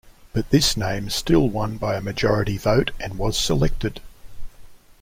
But this name still won by a majority vote and was selected.